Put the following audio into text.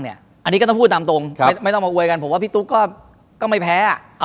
อันนี้ก็ต้องพูดตามตรงไม่ต้องมาอวยกันผมว่าพี่ตุ๊กก็ไม่แพ้